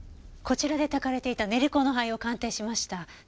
こちらでたかれていた練香の灰を鑑定しました。